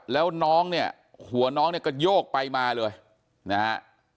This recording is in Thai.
แล้วน้องเนี่ยหัวน้องเนี่ยกระโยกไปมาเลยนะฮะ